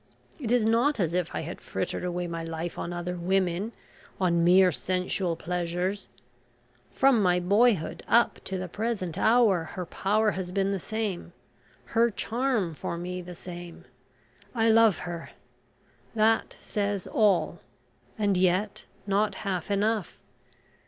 It is not as if I had frittered away my life on other women on mere sensual pleasures. From my boyhood up to the present hour her power has been the same her charm for me the same, I love her. That says all, and yet not half enough.